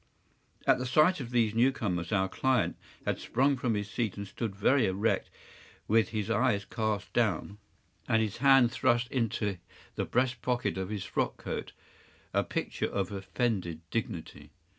” At the sight of these new comers our client had sprung from his seat and stood very erect, with his eyes cast down and his hand thrust into the breast of his frock coat, a picture of offended dignity.